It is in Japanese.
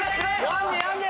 ４０４０！